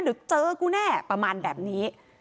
เด๋อร์เจอกูแน่ประมาณภาพแบบนี้